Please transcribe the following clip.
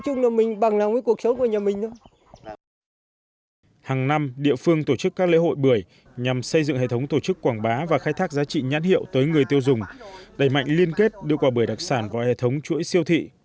các nhà vườn đã tổ chức quảng bá và khai thác giá trị nhắn hiệu tới người tiêu dùng đẩy mạnh liên kết đưa quả bưởi đặc sản vào hệ thống chuỗi siêu thị